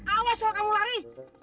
awas selalu kamu lari